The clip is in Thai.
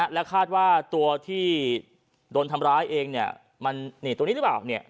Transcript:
และคาดว่าตัวที่โดนทำร้ายเองเนี่ยมันตัวนี้หรือเปล่า